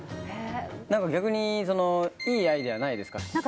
なんか逆に、いいアイデアないですか？